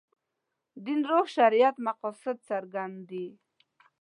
دین روح شریعت مقاصد څرګند دي.